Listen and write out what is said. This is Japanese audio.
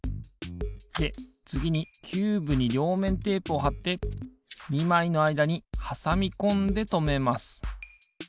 でつぎにキューブにりょうめんテープをはって２まいのあいだにはさみこんでとめます。